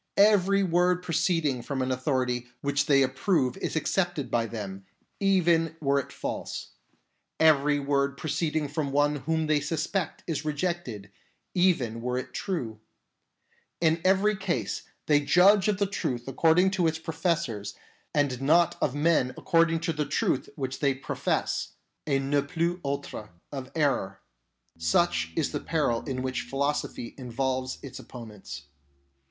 Every word proceeding from an au FURTHER DANGERS OF PHILOSOPHY 39 thority which they approve is accepted by them, even were it false ; every word proceeding from one whom they suspect is rejected, even were it true. In every case they judge of the truth ac cording to its professors and not of men according to the truth which they profess, a ne plus ultra of error. Such is the peril in which philosophy involves its opponents.